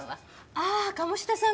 ああ鴨志田さん